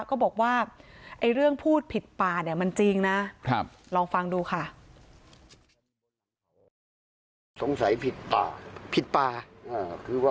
ก็บอกว่าเรื่องพูดผิดป่าเนี่ยมันจริงนะลองฟังดูค่ะ